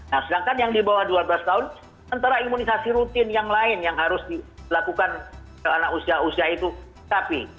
nah sedangkan yang di bawah dua belas tahun sementara imunisasi rutin yang lain yang harus dilakukan ke anak usia usia itu sapi